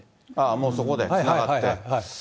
もうそこでつながって。